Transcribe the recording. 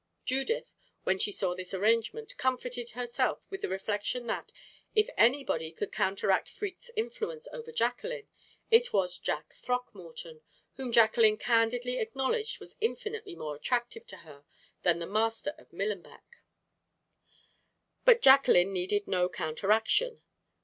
Judith, when she saw this arrangement, comforted herself with the reflection that, if anybody could counteract Freke's influence over Jacqueline, it was Jack Throckmorton, whom Jacqueline candidly acknowledged was infinitely more attractive to her than the master of Millenbeck. But Jacqueline needed no counteraction.